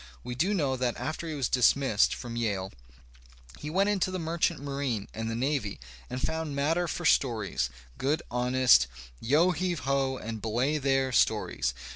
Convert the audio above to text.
We do know that after he was dismissed from Yale he went into the merchant marine and the navy and found matter for stories, good, honest, yo heave ho and belay there stories.